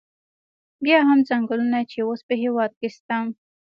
بیا هم څنګلونه چې اوس په هېواد کې شته.